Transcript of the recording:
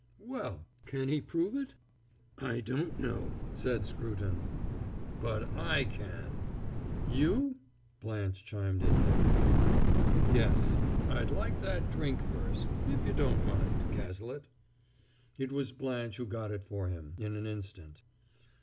"Well, can he prove it?" "I don't know," said Scruton. "But I can!" "You?" Blanche chimed in there. "Yes, I'd like that drink first, if you don't mind, Cazalet." It was Blanche who got it for him, in an instant.